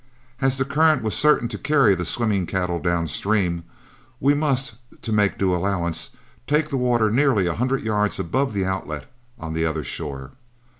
As the current was certain to carry the swimming cattle downstream, we must, to make due allowance, take the water nearly a hundred yards above the outlet on the other shore.